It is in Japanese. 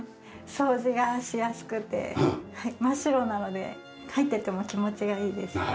掃除がしやすくて真っ白なので入ってても気持ちがいいです。